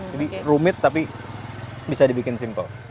jadi rumit tapi bisa dibikin simple